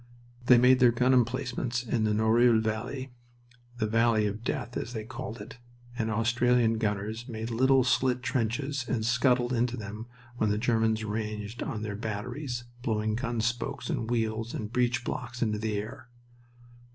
They made their gun emplacements in the Noreuil Valley, the valley of death as they called it, and Australian gunners made little slit trenches and scuttled into them when the Germans ranged on their batteries, blowing gun spokes and wheels and breech blocks into the air.